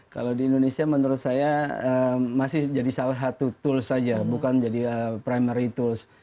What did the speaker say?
kalau di indonesia menurut saya masih jadi salah satu tools saja bukan jadi primary tools